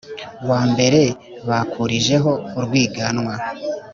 wa mbere bakurijeho urwiganwa.